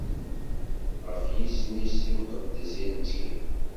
Ɣef yisem-is imqeddes i nettkel.